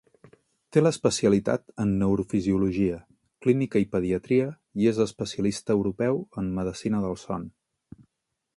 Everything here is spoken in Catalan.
Té l'especialitat en Neurofisiologia, Clínica i Pediatria i és Especialista Europeu en Medecina del Son.